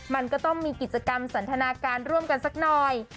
มันก็ต้องมีกิจกรรมสันทนาการร่วมกันสักหน่อย